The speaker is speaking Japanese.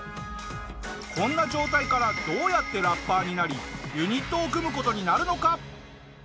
そんな状態からどうやってラッパーになりユニットを組む事になるのか？